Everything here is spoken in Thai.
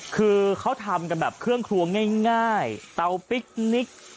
คือเขาทำกันแบบเครื่องครัวง่ายเตาปิ๊กนิก